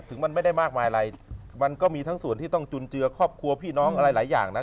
มันไม่ได้มากมายอะไรมันก็มีทั้งส่วนที่ต้องจุนเจือครอบครัวพี่น้องอะไรหลายอย่างนะ